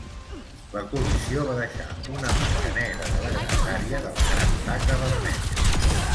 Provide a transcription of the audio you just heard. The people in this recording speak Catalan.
La col·lisió va deixar una marca negra de la grandària de la Gran Taca Vermella.